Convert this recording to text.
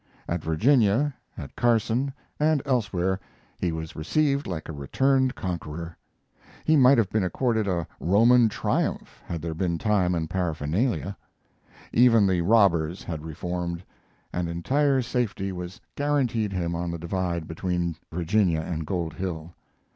At Virginia, at Carson, and elsewhere he was received like a returned conqueror. He might have been accorded a Roman triumph had there been time and paraphernalia. Even the robbers had reformed, and entire safety was guaranteed him on the Divide between Virginia and Gold Hill.